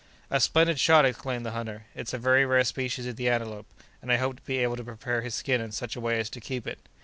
"A splendid shot!" exclaimed the hunter. "It's a very rare species of the antelope, and I hope to be able to prepare his skin in such a way as to keep it."